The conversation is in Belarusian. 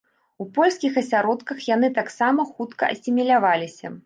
У польскіх асяродках яны таксама хутка асіміляваліся.